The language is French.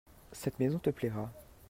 Cette maison te plaira.